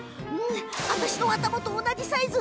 私の頭と同じサイズ。